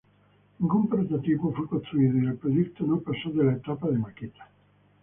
Ningún prototipo fue construido y el proyecto no pasó de la etapa de maqueta.